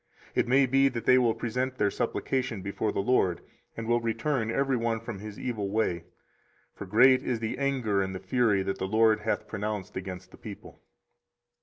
24:036:007 It may be they will present their supplication before the LORD, and will return every one from his evil way: for great is the anger and the fury that the LORD hath pronounced against this people.